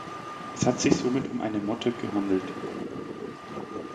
Es hat sich somit um eine Motte gehandelt.